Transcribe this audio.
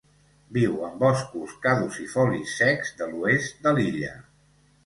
Viu en boscos caducifolis secs de l'oest de l'illa.